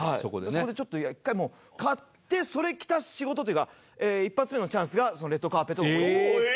そこでちょっと１回もう買ってそれ着た仕事というか一発目のチャンスが『レッドカーペット』のオーディション。